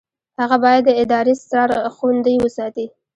هغه باید د ادارې اسرار خوندي وساتي.